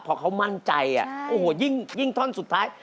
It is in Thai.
พอเขามั่นใจโอ้โหยิ่งท่อนสุดท้าย